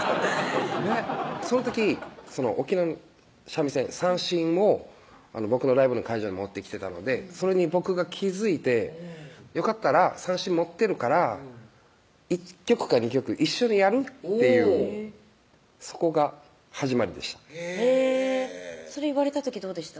ねっその時沖縄の三味線・三線を僕のライブの会場に持ってきてたのでそれに僕が気付いて「よかったら三線持ってるから１曲か２曲一緒にやる？」っていうそこが始まりでしたへぇそれ言われた時どうでした？